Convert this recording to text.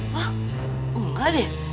ma enggak deh